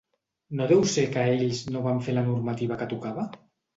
No deu ser que ells no van fer la normativa que tocava?